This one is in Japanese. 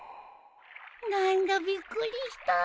何だびっくりした。